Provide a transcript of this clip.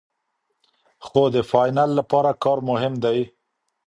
خو د فاینل لپاره کار مهم دی.